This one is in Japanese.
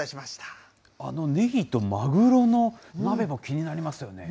ねぎとマグロの鍋も気になりますよね。